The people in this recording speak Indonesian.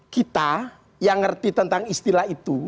kita yang ngerti tentang istilah itu